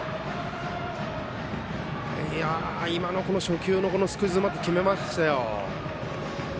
今の初球のスクイズうまく決めましたよ。